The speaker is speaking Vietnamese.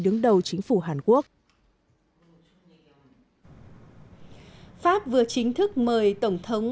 đứng đầu chính phủ hàn quốc pháp vừa chính thức mời tổng thống